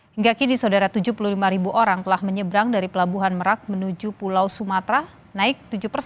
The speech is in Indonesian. hingga kini saudara tujuh puluh lima ribu orang telah menyeberang dari pelabuhan merak menuju pulau sumatera naik